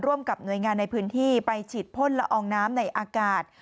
ร่วมกับหน่วยงานในพื้นที่ไปฉีดพ่นละอองน้ำในอากาศ